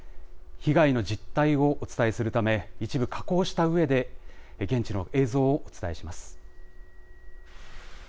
被害の実態をお伝えするため、一部加工したうえで、現地の映像をお伝えします。